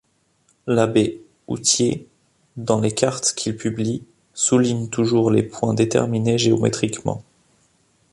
L'abbé Outhier, dans les cartes qu'il publie, souligne toujours les points déterminés géométriquement.